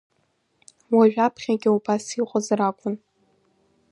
Уажәаԥхьагьы убас иҟазар акәын…